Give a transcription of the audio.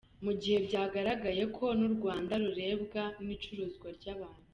Mu gihe byagaragaye ko n’u Rwanda rurebwa n’icuruzwa ry’abantu, .